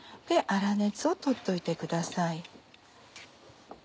粗熱を取っておいてください。